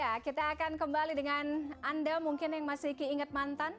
ustaz jada kita akan kembali dengan anda mungkin yang masih keinget mantan